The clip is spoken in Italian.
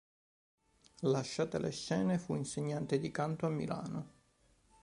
Lasciate le scene, fu insegnante di canto a Milano.